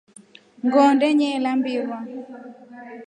Ngoonda yenlya mbirurwa.